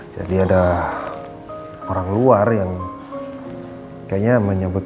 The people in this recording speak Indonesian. jadi ada orang luar yang kayaknya menyebutnya